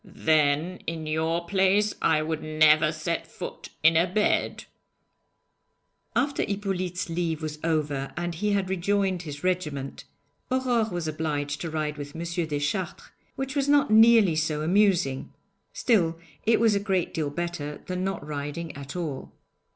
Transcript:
'Then, in your place, I would never set foot in a bed.' After Hippolyte's leave was over, and he had rejoined his regiment, Aurore was obliged to ride with M. Deschartres, which was not nearly so amusing; still, it was a great deal better than not riding at all.